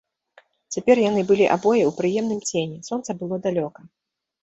Цяпер яны былі абое ў прыемным цені, сонца было далёка.